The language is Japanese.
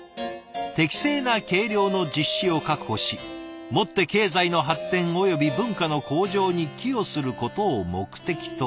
「適正な計量の実施を確保し、もって経済の発展及び文化の向上に寄与することを目的とする」。